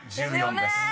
「１４」です］